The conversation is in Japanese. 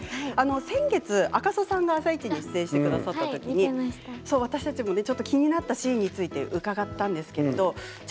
先日、赤楚さんが「あさイチ」に出演してくださった時に気になったシーンについて伺いました。